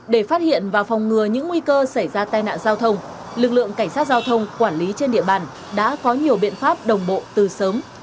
để phát hiện và phòng ngừa những nguy cơ xảy ra tai nạn giao thông lực lượng cảnh sát giao thông quản lý trên địa bàn đã có nhiều biện pháp đồng bộ từ sớm